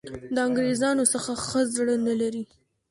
د انګرېزانو څخه ښه زړه نه لري.